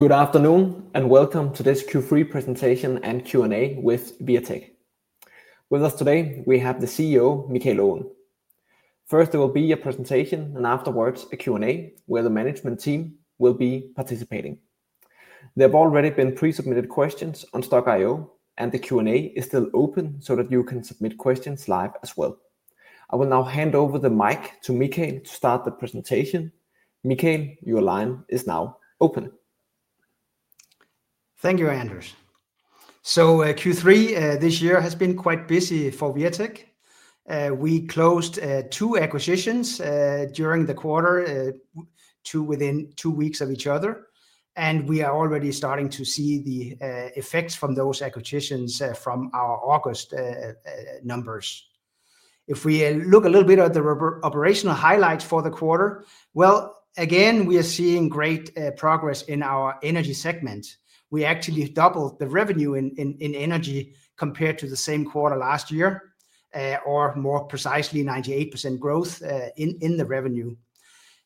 Good afternoon and welcome to this Q3 presentation and Q&A with Wirtek. With us today, we have the CEO, Michael Aaen. First, there will be a presentation and afterwards a Q&A where the management team will be participating. There have already been pre-submitted questions on Stokk.io, and the Q&A is still open so that you can submit questions live as well. I will now hand over the mic to Michael to start the presentation. Michael, your line is now open. Thank you, Anders. So Q3 this year has been quite busy for Wirtek. We closed two acquisitions during the quarter within two weeks of each other, and we are already starting to see the effects from those acquisitions from our August numbers. If we look a little bit at the operational highlights for the quarter, well, again, we are seeing great progress in our energy segment. We actually doubled the revenue in energy compared to the same quarter last year, or more precisely, 98% growth in the revenue.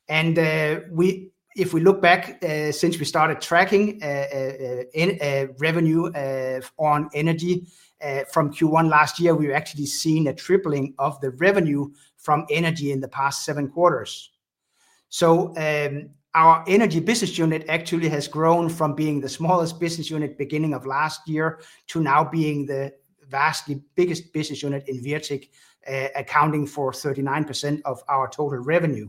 And if we look back since we started tracking revenue on energy from Q1 last year, we've actually seen a tripling of the revenue from energy in the past seven quarters. Our energy business unit actually has grown from being the smallest business unit beginning of last year to now being the vastly biggest business unit in Wirtek, accounting for 39% of our total revenue.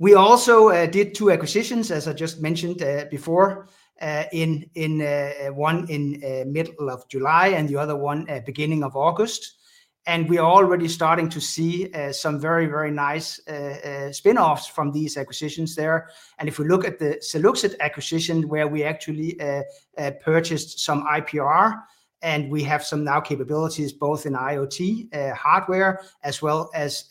We also did two acquisitions, as I just mentioned before, one in the middle of July and the other one beginning of August. And we are already starting to see some very, very nice spinoffs from these acquisitions there. And if we look at the Seluxit acquisition, where we actually purchased some IPR, and we have some new capabilities both in IoT hardware as well as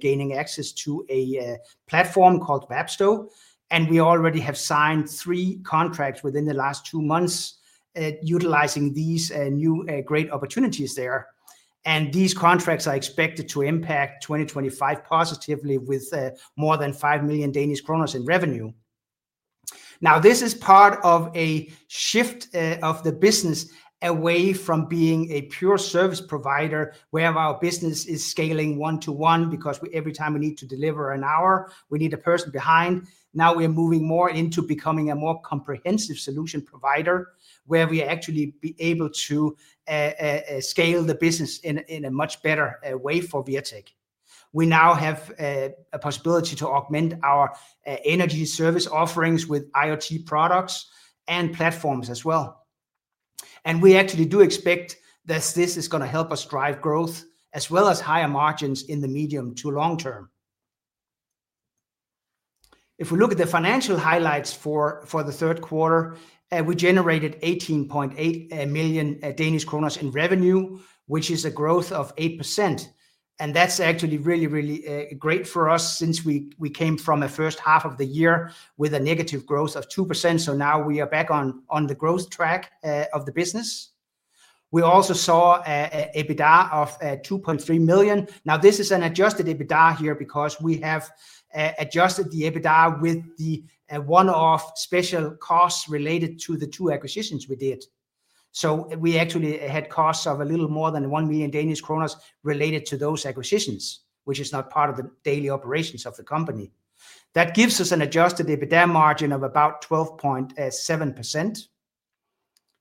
gaining access to a platform called Wappsto. And we already have signed three contracts within the last two months utilizing these new great opportunities there. And these contracts are expected to impact 2025 positively with more than 5 million Danish kroner in revenue. Now, this is part of a shift of the business away from being a pure service provider, where our business is scaling one-to-one because every time we need to deliver an hour, we need a person behind. Now we are moving more into becoming a more comprehensive solution provider, where we are actually able to scale the business in a much better way for Wirtek. We now have a possibility to augment our energy service offerings with IoT products and platforms as well. And we actually do expect that this is going to help us drive growth as well as higher margins in the medium to long term. If we look at the financial highlights for the third quarter, we generated 18.8 million Danish kroner in revenue, which is a growth of 8%. That's actually really, really great for us since we came from a first half of the year with a negative growth of 2%. Now we are back on the growth track of the business. We also saw an EBITDA of 2.3 million. Now, this is an adjusted EBITDA here because we have adjusted the EBITDA with the one-off special costs related to the two acquisitions we did. We actually had costs of a little more than 1 million Danish kroner related to those acquisitions, which is not part of the daily operations of the company. That gives us an adjusted EBITDA margin of about 12.7%.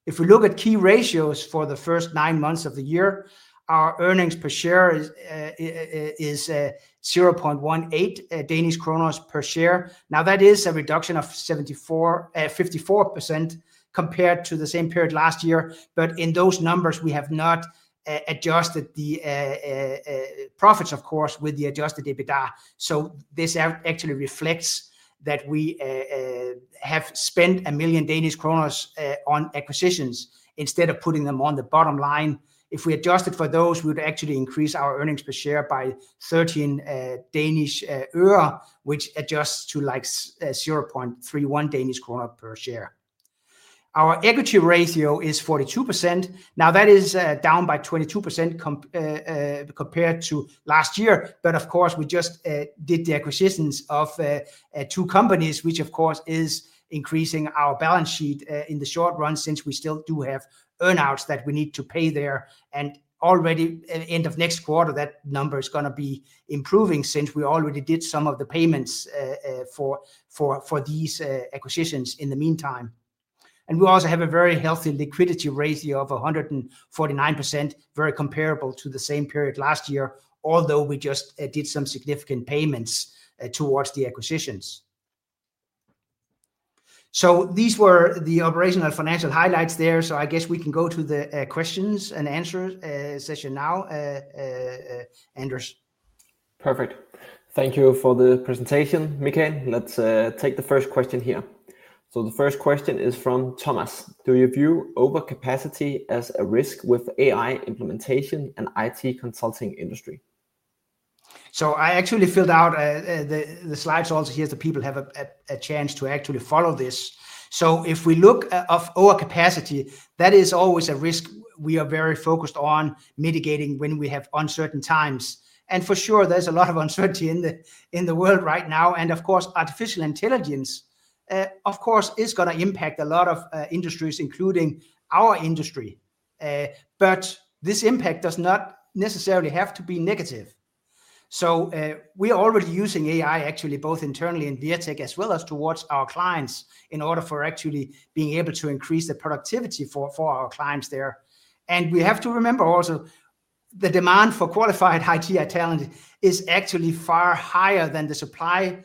If we look at key ratios for the first nine months of the year, our earnings per share is 0.18 Danish kroner per share. Now, that is a reduction of 54% compared to the same period last year. But in those numbers, we have not adjusted the profits, of course, with the adjusted EBITDA. So this actually reflects that we have spent 1 million Danish kroner on acquisitions instead of putting them on the bottom line. If we adjusted for those, we would actually increase our earnings per share by 13 Danish øre, which adjusts to like 0.31 Danish kroner per share. Our equity ratio is 42%. Now, that is down by 22% compared to last year. But of course, we just did the acquisitions of two companies, which of course is increasing our balance sheet in the short run since we still do have earnings that we need to pay there. And already at the end of next quarter, that number is going to be improving since we already did some of the payments for these acquisitions in the meantime. We also have a very healthy liquidity ratio of 149%, very comparable to the same period last year, although we just did some significant payments towards the acquisitions. These were the operational financial highlights there. I guess we can go to the questions and answer session now, Anders. Perfect. Thank you for the presentation, Michael. Let's take the first question here. So the first question is from Thomas. Do you view overcapacity as a risk with AI implementation and IT consulting industry? So I actually filled out the slides also here so people have a chance to actually follow this. So if we look at overcapacity, that is always a risk we are very focused on mitigating when we have uncertain times. And for sure, there's a lot of uncertainty in the world right now. And of course, artificial intelligence, of course, is going to impact a lot of industries, including our industry. But this impact does not necessarily have to be negative. So we are already using AI, actually, both internally in Wirtek as well as towards our clients in order for actually being able to increase the productivity for our clients there. And we have to remember also the demand for qualified IT talent is actually far higher than the supply.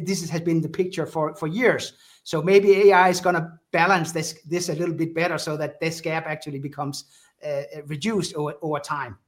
This has been the picture for years. So maybe AI is going to balance this a little bit better so that this gap actually becomes reduced over time.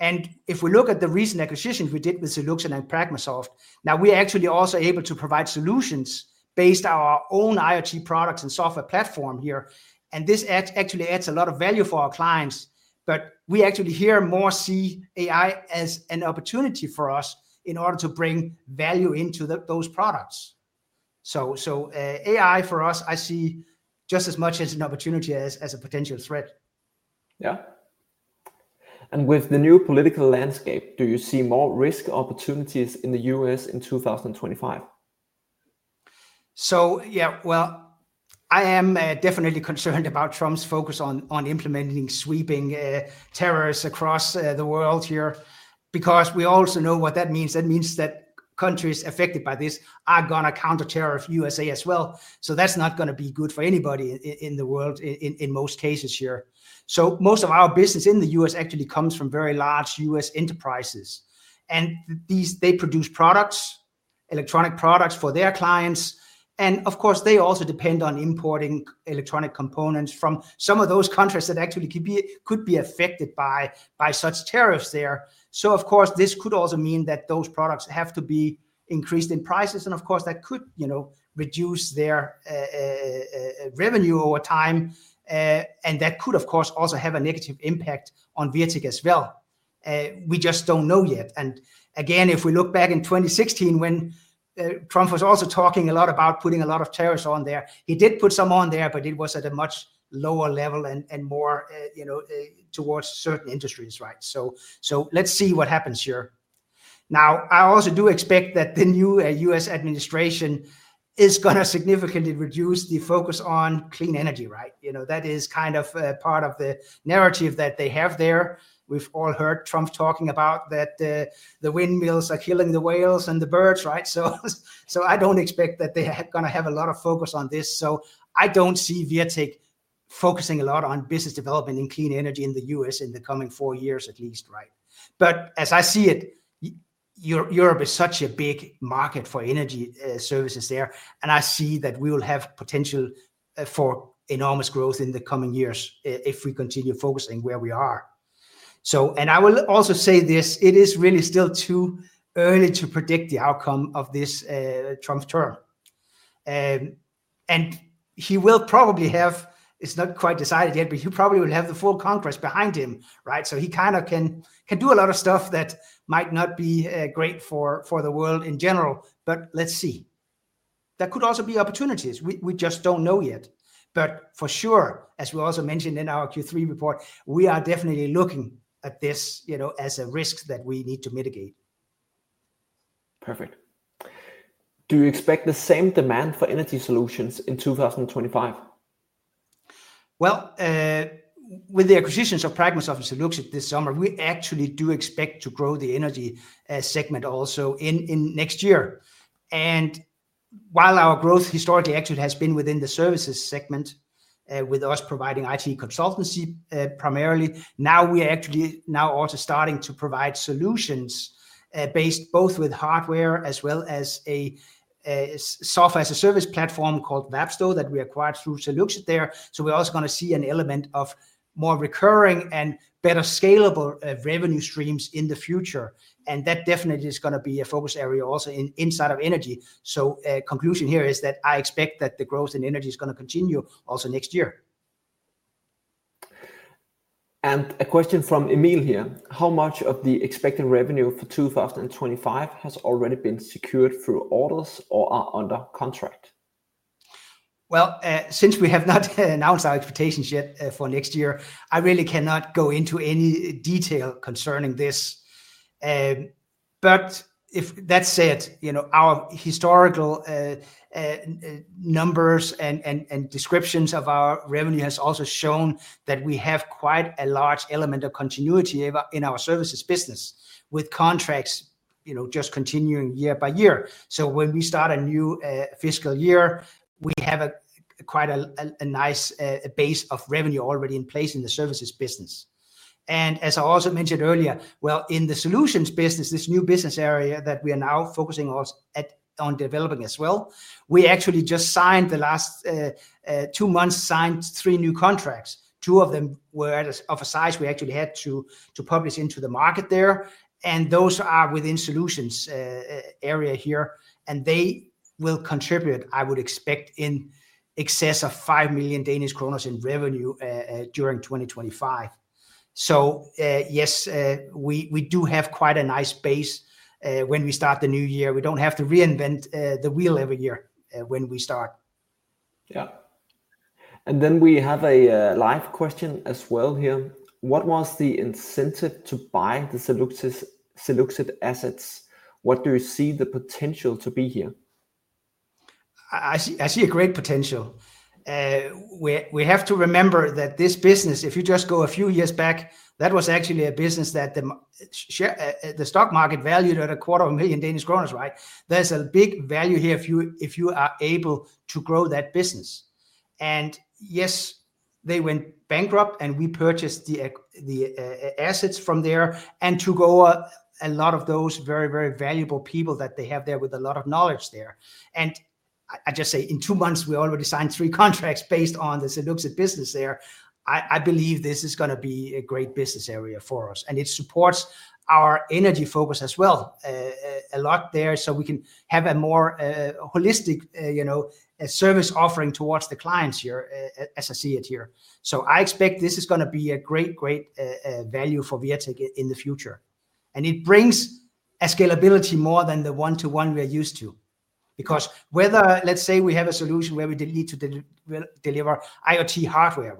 And if we look at the recent acquisitions we did with Seluxit and Pragmasoft, now we are actually also able to provide solutions based on our own IoT products and software platform here. And this actually adds a lot of value for our clients. But we actually here more see AI as an opportunity for us in order to bring value into those products. So AI for us, I see just as much as an opportunity as a potential threat. Yeah, and with the new political landscape, do you see more risk opportunities in the U.S. in 2025? I am definitely concerned about Trump's focus on implementing sweeping tariffs across the world here because we also know what that means. That means that countries affected by this are going to counter-tariff the U.S.A. as well. So that's not going to be good for anybody in the world in most cases here. So most of our business in the U.S. actually comes from very large U.S. enterprises. And they produce products, electronic products for their clients. And of course, they also depend on importing electronic components from some of those countries that actually could be affected by such tariffs there. So of course, this could also mean that those products have to be increased in prices. And of course, that could reduce their revenue over time. And that could, of course, also have a negative impact on Wirtek as well. We just don't know yet. Again, if we look back in 2016, when Trump was also talking a lot about putting a lot of tariffs on there, he did put some on there, but it was at a much lower level and more towards certain industries. So let's see what happens here. Now, I also do expect that the new U.S. administration is going to significantly reduce the focus on clean energy. That is kind of part of the narrative that they have there. We've all heard Trump talking about that the windmills are killing the whales and the birds. So I don't expect that they are going to have a lot of focus on this. So I don't see Wirtek focusing a lot on business development in clean energy in the U.S. in the coming four years at least. But as I see it, Europe is such a big market for energy services there. And I will also say this, it is really still too early to predict the outcome of this Trump term. And he will probably have, it's not quite decided yet, but he probably will have the full Congress behind him. So he kind of can do a lot of stuff that might not be great for the world in general. But let's see. There could also be opportunities. We just don't know yet. But for sure, as we also mentioned in our Q3 report, we are definitely looking at this as a risk that we need to mitigate. Perfect. Do you expect the same demand for energy solutions in 2025? With the acquisitions of Pragmasoft and Seluxit this summer, we actually do expect to grow the energy segment also in next year. While our growth historically actually has been within the services segment with us providing IT consultancy primarily, now we are actually also starting to provide solutions based both with hardware as well as a software as a service platform called Wappsto that we acquired through Seluxit there. We're also going to see an element of more recurring and better scalable revenue streams in the future. That definitely is going to be a focus area also inside of energy. Conclusion here is that I expect that the growth in energy is going to continue also next year. A question from Emil here. How much of the expected revenue for 2025 has already been secured through orders or are under contract? Well, since we have not announced our expectations yet for next year, I really cannot go into any detail concerning this. But that said, our historical numbers and descriptions of our revenue has also shown that we have quite a large element of continuity in our services business with contracts just continuing year by year. So when we start a new fiscal year, we have quite a nice base of revenue already in place in the services business. And as I also mentioned earlier, well, in the solutions business, this new business area that we are now focusing on developing as well, we actually just signed the last two months, signed three new contracts. Two of them were of a size we actually had to publish into the market there. And those are within solutions area here. They will contribute, I would expect, in excess of five million Danish kroner in revenue during 2025. Yes, we do have quite a nice base when we start the new year. We don't have to reinvent the wheel every year when we start. Yeah. And then we have a live question as well here. What was the incentive to buy the Seluxit assets? What do you see the potential to be here? I see a great potential. We have to remember that this business, if you just go a few years back, that was actually a business that the stock market valued at 250,000 Danish kroner. There's a big value here if you are able to grow that business, and yes, they went bankrupt and we purchased the assets from there and took over a lot of those very, very valuable people that they have there with a lot of knowledge there, and I just say in two months, we already signed three contracts based on the Seluxit business there. I believe this is going to be a great business area for us, and it supports our energy focus as well a lot there so we can have a more holistic service offering towards the clients here, as I see it here. So I expect this is going to be a great, great value for Wirtek in the future. And it brings a scalability more than the one-to-one we are used to. Because whether, let's say we have a solution where we need to deliver IoT hardware,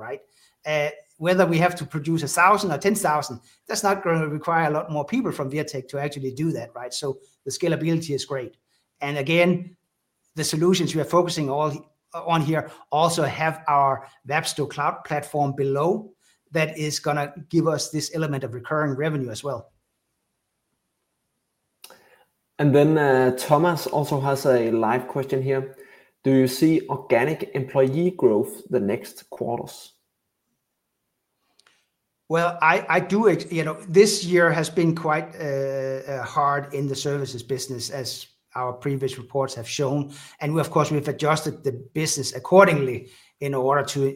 whether we have to produce 1,000 or 10,000, that's not going to require a lot more people from Wirtek to actually do that. So the scalability is great. And again, the solutions we are focusing on here also have our Wappsto cloud platform below that is going to give us this element of recurring revenue as well. Thomas also has a live question here. Do you see organic employee growth the next quarters? I do. This year has been quite hard in the services business, as our previous reports have shown, and of course, we've adjusted the business accordingly in order to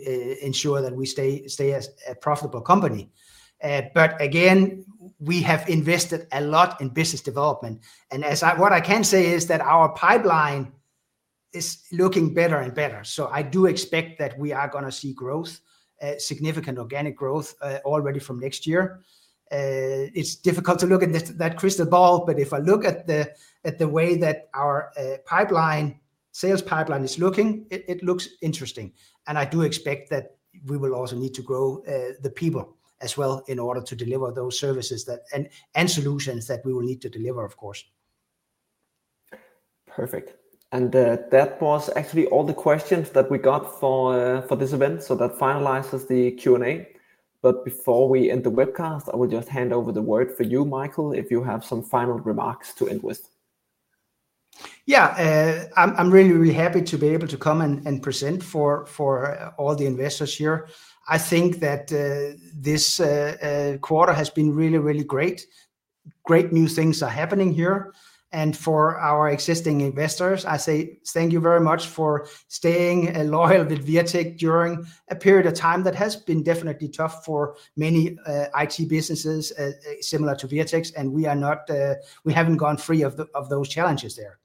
ensure that we stay a profitable company, but again, we have invested a lot in business development, and what I can say is that our pipeline is looking better and better, so I do expect that we are going to see growth, significant organic growth already from next year. It's difficult to look at that crystal ball, but if I look at the way that our sales pipeline is looking, it looks interesting, and I do expect that we will also need to grow the people as well in order to deliver those services and solutions that we will need to deliver, of course. Perfect. And that was actually all the questions that we got for this event. So that finalizes the Q&A. But before we end the webcast, I will just hand over the word for you, Michael, if you have some final remarks to end with. Yeah, I'm really, really happy to be able to come and present for all the investors here. I think that this quarter has been really, really great. Great new things are happening here, and for our existing investors, I say thank you very much for staying loyal with Wirtek during a period of time that has been definitely tough for many IT businesses similar to Wirtek's. And we haven't gone free of those challenges there,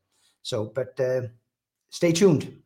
but stay tuned.